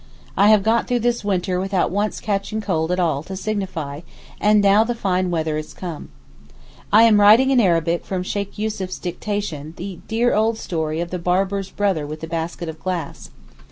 I have got through this winter without once catching cold at all to signify, and now the fine weather is come. I am writing in Arabic from Sheykh Yussuf's dictation the dear old story of the barber's brother with the basket of glass.